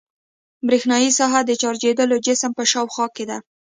برېښنايي ساحه د چارجداره جسم په شاوخوا کې ده.